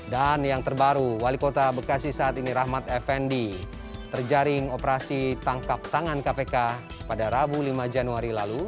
dan yang terbaru wali kota bekasi saat ini rahmat effendi terjaring operasi tangkap tangan kpk pada rabu lima januari lalu